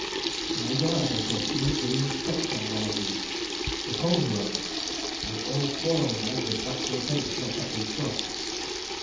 To my delight I saw three green specks on one of these the pony rugs and all four of us legged it back to the tent to tell Captain Scott.